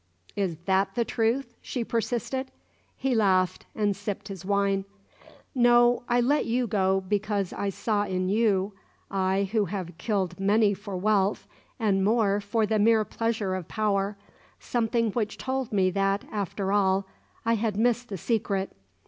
"Is that the truth?" she persisted. He laughed and sipped his wine. "No; I let you go because I saw in you I who have killed many for wealth and more for the mere pleasure of power something which told me that, after all, I had missed the secret.